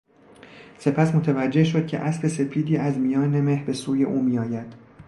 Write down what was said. سپس متوجه شد که اسب سپیدی از میان مه به سوی او میآید.